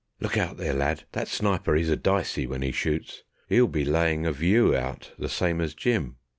(Look out there, lad! That sniper 'e's a dysey when 'e shoots; 'E'll be layin' of you out the same as Jim.)